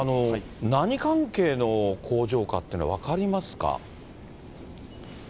何関係の工場かってのは分かりますか？